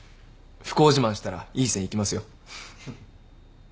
不幸自慢したらいい線いきますよ。